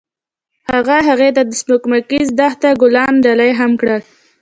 هغه هغې ته د سپوږمیز دښته ګلان ډالۍ هم کړل.